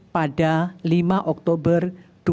pada lima oktober dua ribu dua puluh